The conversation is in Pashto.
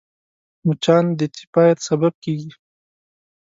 مچان د تيفايد سبب کېږي